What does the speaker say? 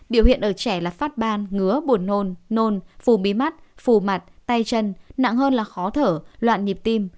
biểu hiện ở trẻ là phát ban ngứa buồn nôn nôn phù bí mắt phù mặt tay chân nặng hơn là khó thở loạn nhịp tim